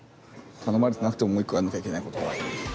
頼まれてなくてももう１個やらなきゃいけない事がある。